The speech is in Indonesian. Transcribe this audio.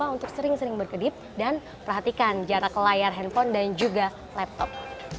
untuk sering sering berkedip dan perhatikan jarak layar handphone dan juga laptop